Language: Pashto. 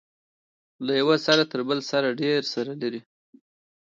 له یوه سر تر بل سر ډیر لرې دی.